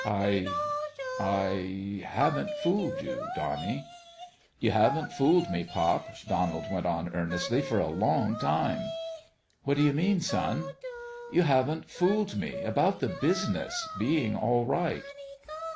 " I I haven't fooled you, Donnie ?" "You haven't fooled me, pop," Donald went on, earnestly, " for a long time." " What do you mean, son ?"" You haven't fooled me about the business being all right."